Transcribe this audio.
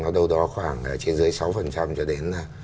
nó đâu đó khoảng trên dưới sáu cho đến